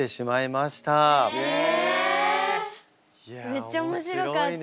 めっちゃ面白かった。